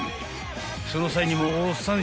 ［その際にもおっさん